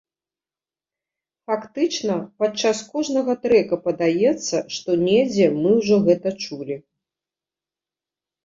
Фактычна, падчас кожнага трэка падаецца, што недзе мы ўжо гэта чулі.